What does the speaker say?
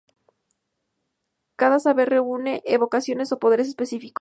Cada saber reúne evocaciones o poderes específicos.